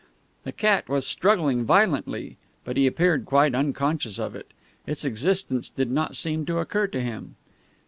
The cat was struggling violently, but he appeared quite unconscious of it. Its existence did not seem to occur to him.